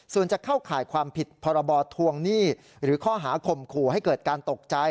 ส่วนจะเข้าข่ายความผิดพรบทวงหนี้หรือข้อหาข่มขู่ให้เกิดการตกใจ